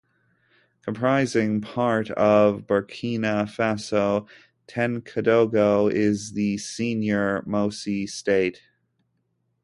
Comprising part of Burkina Faso, Tenkodogo is the "senior" Mossi State.